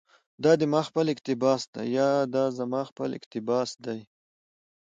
دا دي ما خپل اقتباس ده، يا دا زما خپل اقتباس دى